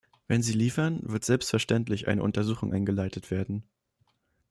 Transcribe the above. Wenn Sie die liefern, wird selbstverständlich eine Untersuchung eingeleitet werden.